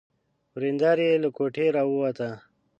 ورېندار يې له کوټې را ووته.